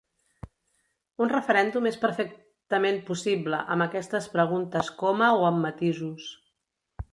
Un referèndum és perfectament possible amb aquestes preguntes coma o amb matisos.